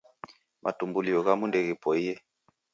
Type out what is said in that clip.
Matumbulio ghamu ndeghipoiye.